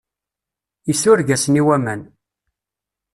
Isureg-asen i waman.